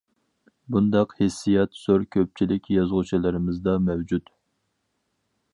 بۇنداق ھېسسىيات زور كۆپچىلىك يازغۇچىلىرىمىزدا مەۋجۇت.